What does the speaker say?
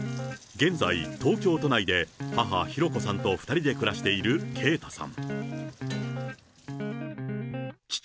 現在、東京都内で母、寛子さんと２人で暮らしている圭太さん。